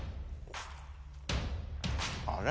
あれ？